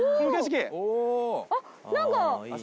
あっ何か。